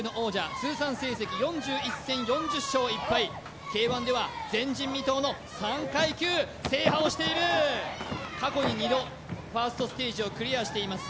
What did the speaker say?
通算成績４１戦４０勝１敗Ｋ−１では前人未到の３階級制覇をしている過去に２度ファーストステージをクリアしています